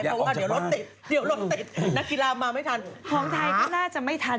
เพราะว่าเดี๋ยวเราติดนักกีฬามาไม่ทัน